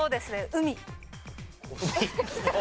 海。